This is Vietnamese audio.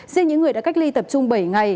riêng những người đã cách ly tập trung bảy ngày